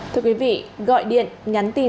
thưa quý vị gọi điện nhắn tin